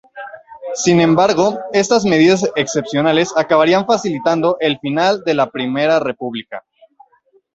Sin embargo, estas medidas excepcionales acabarían facilitando el final de la Primera República.